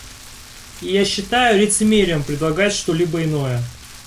И я считаю лицемерием предлагать что-либо иное.